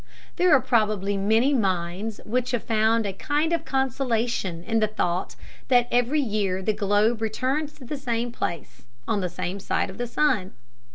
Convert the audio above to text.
There are probably many minds which have found a kind of consolation in the thought that every year the globe returns to the same place, on the same side of the sun.